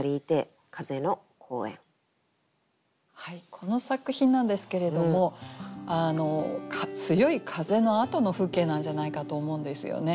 この作品なんですけれども強い風のあとの風景なんじゃないかと思うんですよね。